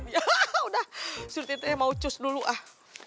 yaudah surti teh mau cus dulu ah